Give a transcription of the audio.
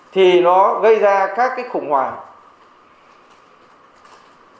thì nó gây ra các cái khủng hoảng